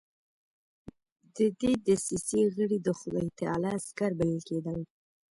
د دې دسیسې غړي د خدای تعالی عسکر بلل کېدل.